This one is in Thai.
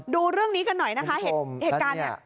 ดูเรื่องนี้กันหน่อยนะคะเหตุการณ์เนี่ย